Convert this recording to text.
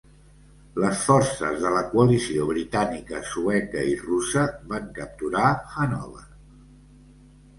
Les forces de la coalició britànica, sueca i russa van capturar Hanover.